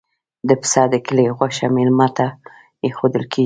د پسه د کلي غوښه میلمه ته ایښودل کیږي.